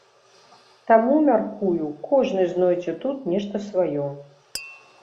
Таму, мяркую, кожны знойдзе тут нешта сваё.